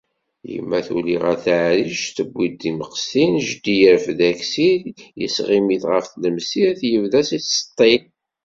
Yemma tuli ɣer taɛrict, tewwi-d timqestin. Jeddi yerfed Aksil, yesɣimit ɣef tlemsirt, yebda as yettseṭtil.